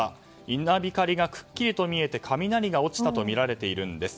稲光がくっきりと見えて雷が落ちたとみられるんです。